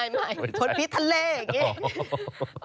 ไม่คุณผีทะเลอย่างนี้